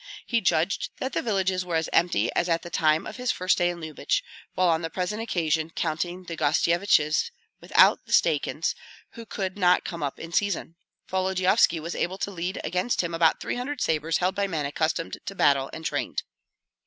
He judged that the villages were as empty as at the time of his first stay in Lyubich; while on the present occasion counting the Gostsyeviches, without the Stakyans, who could not come up in season, Volodyovski was able to lead against him about three hundred sabres held by men accustomed to battle and trained.